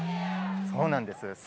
そうなんです。